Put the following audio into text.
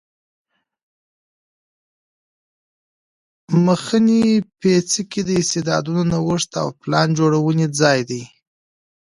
مخنی پیڅکی د استعدادونو نوښت او پلان جوړونې ځای دی